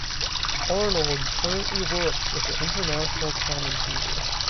Arnold currently works as an international commentator.